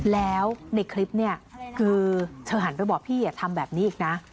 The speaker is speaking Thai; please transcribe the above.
ในคลิปเธอหันไปบอกพี่อย่าทำแบบนี้อีกนะ